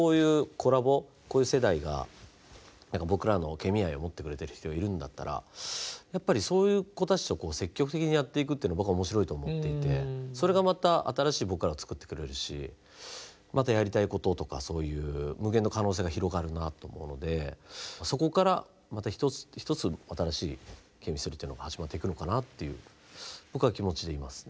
こういう世代が僕らのケミ愛を持ってくれてる人がいるんだったらそういう子たちと積極的にやっていくって僕は面白いと思っていてそれがまた新しい僕らをつくってくれるしまたやりたいこととかそういう無限の可能性が広がるなと思うのでそこからまた一つ新しいＣＨＥＭＩＳＴＲＹというのが始まっていくのかなっていう僕は気持ちでいますね。